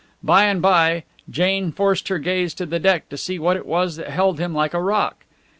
By and by Jane forced her gaze to the deck to see what it was that held him like a rock.